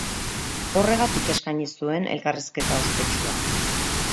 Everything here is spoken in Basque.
Horregatik eskaini zuen elkarrizketa ospetsua.